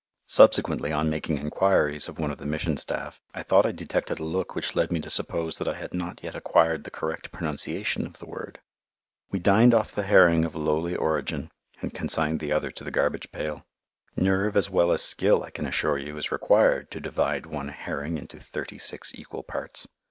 Subsequently, on making enquiries of one of the Mission staff, I thought I detected a look which led me to suppose that I had not yet acquired the correct pronunciation of the word. We dined off the herring of lowly origin, and consigned the other to the garbage pail. Nerve as well as skill, I can assure you, is required to divide one herring into thirty six equal parts.